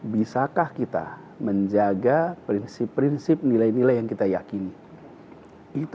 bisakah kita menjaga prinsip prinsip nilai nilai yang kita yakini